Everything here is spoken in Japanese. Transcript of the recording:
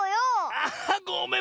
あごめん！